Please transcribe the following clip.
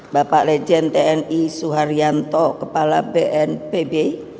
bapak legend tni suharyanto kepala bnpb